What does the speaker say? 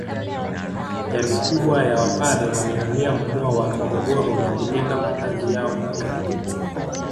Jamii kubwa ya wapare wamehamia mkoa wa Morogoro na kujenga makazi yao yakudumu